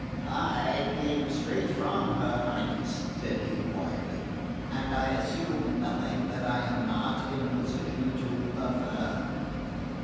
"I come straight from her Highness," said he quietly, "and I assume nothing that I am not in a position to affirm."